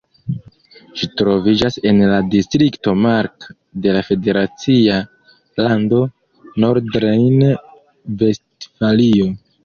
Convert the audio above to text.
Ĝi troviĝas en la distrikto Mark de la federacia lando Nordrejn-Vestfalio.